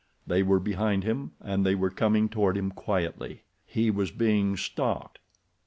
They were behind him, and they were coming toward him quietly. He was being stalked.